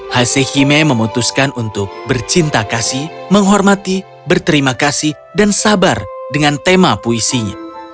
hasehime memutuskan untuk bercinta kasih menghormati berterima kasih dan sabar dengan tema puisinya